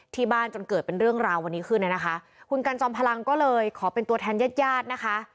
จนเกิดเป็นเรื่องราววันนี้ขึ้นนะคะคุณกันจอมพลังก็เลยขอเป็นตัวแทนญาติญาตินะคะ